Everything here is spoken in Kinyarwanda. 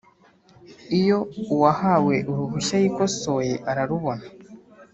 Iyo uwahawe uruhushya yikosoye ararubona